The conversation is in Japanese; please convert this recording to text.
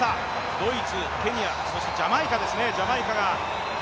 ドイツ、ケニア、そしてジャマイカですね。